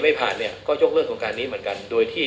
และห้ามให้ศิษย์กับผู้รับจ้างลายนั้นลงไปในพืชที่